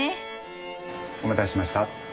お待たせしました。